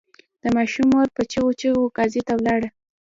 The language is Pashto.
د ماشوم مور په چیغو چیغو قاضي ته ولاړه.